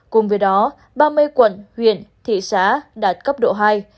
cùng với đó ba mươi quận huyện thị xã đạt cấp độ hai